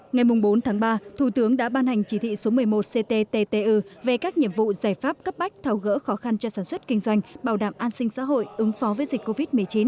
ngày bốn tháng ba thủ tướng đã ban hành chỉ thị số một mươi một cttu về các nhiệm vụ giải pháp cấp bách thảo gỡ khó khăn cho sản xuất kinh doanh bảo đảm an sinh xã hội ứng phó với dịch covid một mươi chín